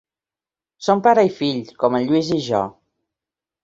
Són pare i fill, com el Lluís i jo.